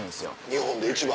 日本で一番？